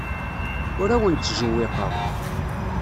Ur awen-ttjewwiqeɣ.